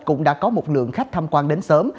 cũng đã có một lượng khách tham quan đến sớm